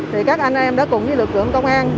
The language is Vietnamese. thì các anh em đã cùng với lực lượng công an